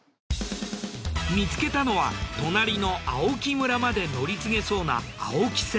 見つけたのは隣の青木村まで乗り継げそうな青木線。